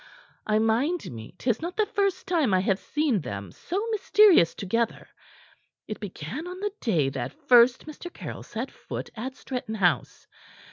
I mind me 'tis not the first time I have seen them so mysterious together. It began on the day that first Mr. Caryll set foot at Stretton House.